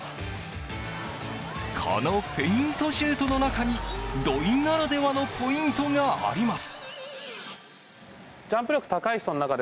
このフェイントシュートの中に土井ならではのポイントがあります。